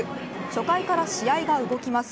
初回から試合が動きます。